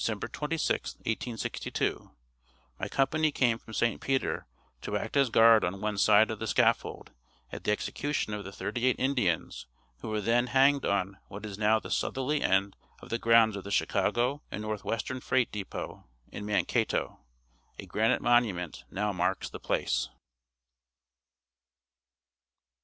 26, 1862, my company came from St. Peter to act as guard on one side of the scaffold at the execution of the thirty eight Indians who were then hanged on what is now the southerly end of the grounds of the Chicago and Northwestern freight depot, in Mankato. A granite monument now marks the place.